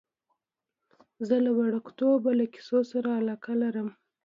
زه له وړکتوبه له کیسو سره علاقه لرم.